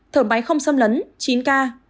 thở máy không xâm lấn chín ca